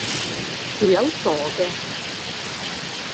條友傻嘅